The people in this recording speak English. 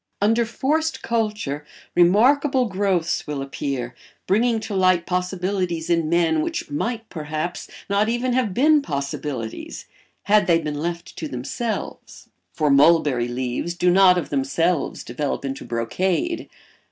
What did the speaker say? Under forced culture remarkable growths will appear, bringing to light possibilities in men which might, perhaps, not even have been possibilities had they been left to themselves; for mulberry leaves do not of themselves develop into brocade.